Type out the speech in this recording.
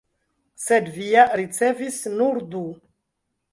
Sed vi ja ricevis nur du!